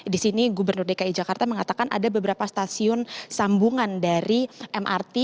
di sini gubernur dki jakarta mengatakan ada beberapa stasiun sambungan dari mrt